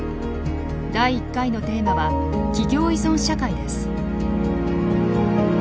第１回のテーマは「企業依存社会」です。